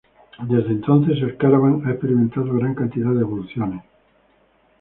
Desde entonces, el Caravan ha experimentado gran cantidad de evoluciones.